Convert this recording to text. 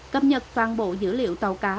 cập nhật toàn bộ dữ liệu tàu cá